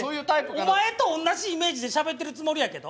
お前とおんなじイメージでしゃべってるつもりやけど？